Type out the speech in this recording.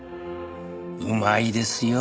うまいですよ